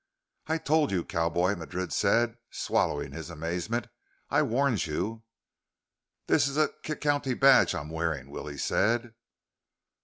"I told you, cowboy," Madrid said, swallowing his amazement. "I warned you." "This is a c c county badge I'm wearing," Willie said.